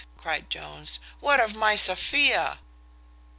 cries Jones, "what of my Sophia?"